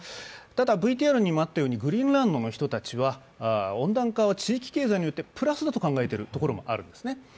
ただ、ＶＴＲにもあったようにグリーンランドの人たちは、温暖化は地域経済にとってプラスだと考えているところもあるんですね。